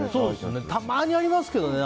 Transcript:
たまにありますけどね。